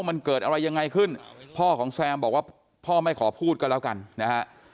มันเกิดอะไรยังไงขึ้นพ่อของแซมบอกว่าพ่อไม่ขอพูดก็แล้วกันนะฮะ